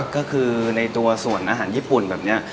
ก็คือในตัวส่วนอาหารญี่ปุ่นแบบนี้